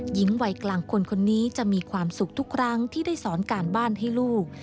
หญิงวัยกลางคนคนนี้จะมีความสุขทุกครั้งที่ได้สอนการบ้านให้ลูก